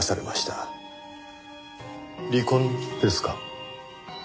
離婚ですか。